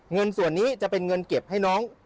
เงินส่วนนี้จะเป็นเงินเก็บให้น้อง